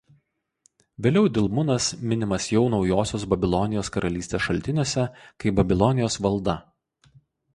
Vėliau Dilmunas minimas jau Naujosios Babilonijos karalystės šaltiniuose kaip Babilonijos valda.